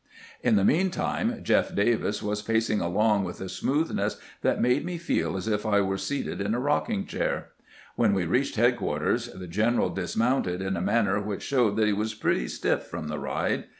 In the mean time " Jeff Davis " was pac ing along with a smoothness which made me feel as if I were seated in a rocking chair. When we reached SHERIDAN EETUENS 227 headquarters tlie general dismounted in a manner wMcli showed that he was pretty stiff from the ride.